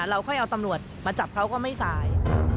เราค่อยเอาตำรวจมาจับเขาก็ไม่สาย